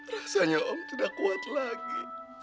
rasanya om tidak kuat lagi